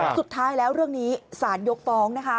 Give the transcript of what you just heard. สุดท้ายแล้วเรื่องนี้สารยกฟ้องนะคะ